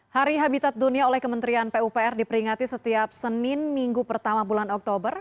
hari habitat dunia oleh kementerian pupr diperingati setiap senin minggu pertama bulan oktober